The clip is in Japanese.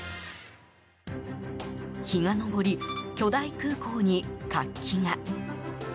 日が昇り、巨大空港に活気が。